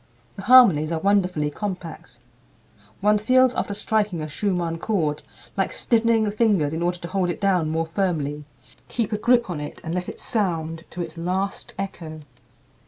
The harmonies are wonderfully compact. One feels after striking a Schumann chord like stiffening the fingers in order to hold it down more firmly, keep a grip on it, and let it sound to its last echo.